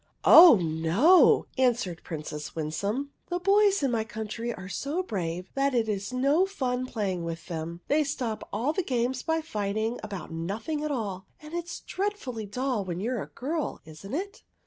" Oh no," answered Princess Winsome ;" the boys in my country are so brave that it is no fun playing with them. They stop all the games by fighting about nothing at all ; and it 's dreadfully dull when you 're a girl, is n't it